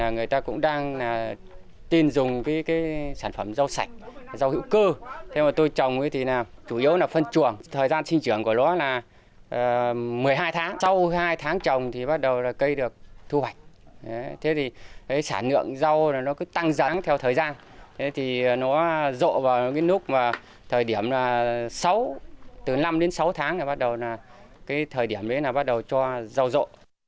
nó cứ tăng giáng theo thời gian thế thì nó rộ vào cái lúc mà thời điểm là sáu từ năm đến sáu tháng là bắt đầu là cái thời điểm đấy là bắt đầu cho rau rộ